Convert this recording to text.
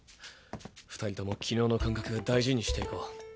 ２人とも昨日の感覚大事にしていこう。